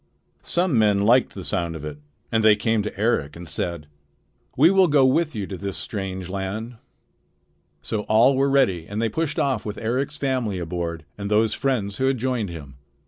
Some men liked the sound of it, and they came to Eric and said: "We will go with you to this strange land." So all were ready and they pushed off with Eric's family aboard and those friends who had joined him.